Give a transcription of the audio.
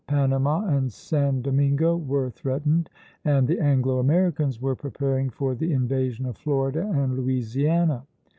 Panama and San Domingo were threatened, and the Anglo Americans were preparing for the invasion of Florida and Louisiana....